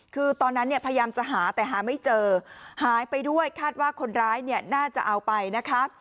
คือตอนนั้นเนี่ยพยายามจะหาแต่หาไม่เจอหายไปด้วยคาดว่าคนร้ายเนี่ยน่าจะเอาไปนะคะ